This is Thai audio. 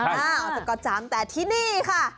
สก๊อตจ้ำแต่ที่นี่ค่ะ